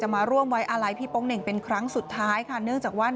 มาร่วมงานได้ค่ะ